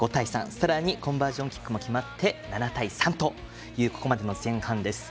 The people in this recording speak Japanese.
さらにコンバージョンキックも決まって、７対３という前半です。